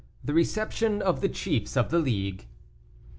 THE RECEPTION OF THE CHIEFS OF THE LEAGUE.